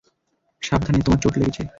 সাবধানে, তোমার চোট লেগেছে।